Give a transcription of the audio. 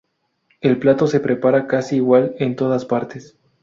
El plato se prepara casi igual en todas partes.